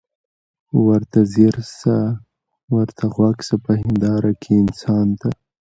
ورته ځیر سه ورته غوږ سه په هینداره کي انسان ته